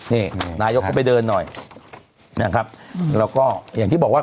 นี่นายกก็ไปเดินหน่อยนะครับแล้วก็อย่างที่บอกว่า